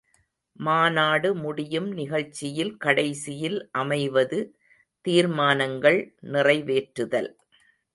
மாநாடு முடியும் நிகழ்ச்சியில் கடைசியில் அமைவது தீர்மானங்கள் நிறைவேற்றுதல்.